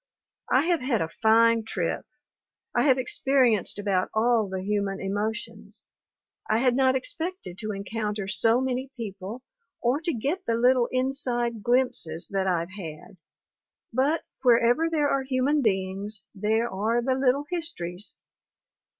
I have had a fine trip; I have experienced about all the human emotions. I had not expected to encounter so many people or to get the little inside glimpses that I've had, but wherever there are human beings there are the little histories.